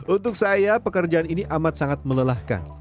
untuk saya pekerjaan ini amat sangat melelahkan